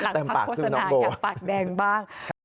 หลังพักโฆษณาอยากปากแดงบ้าง